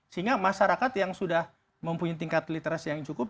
sehingga masyarakat yang sudah mempunyai tingkat literasi yang cukup